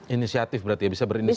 inisiatif berarti ya bisa berinisiasi